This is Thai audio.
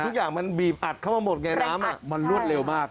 ทุกอย่างมันบีบอัดเข้ามาหมดไงน้ำมันรวดเร็วมาก